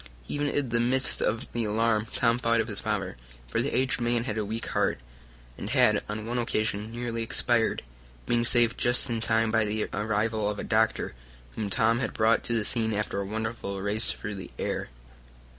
Even in the midst of the alarm Tom thought of his father, for the aged man had a weak heart, and had on one occasion nearly expired, being saved just in time by the arrival of a doctor, whom Tom brought to the scene after a wonderful race through the air.